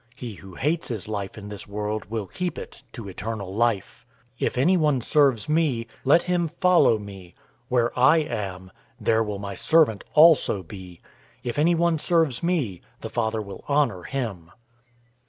He who hates his life in this world will keep it to eternal life. 012:026 If anyone serves me, let him follow me. Where I am, there will my servant also be. If anyone serves me, the Father will honor him.